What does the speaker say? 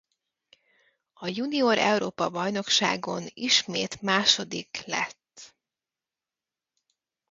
A junior Európa-bajnokságon ismét második lett.